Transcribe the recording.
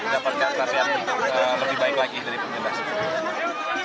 mendapatkan latihan lebih baik lagi dari penyakit